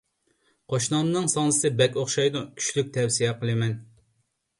قوشنامنىڭ ساڭزىسى بەك ئوخشايدۇ، كۈچلۈك تەۋسىيە قىلىمەن.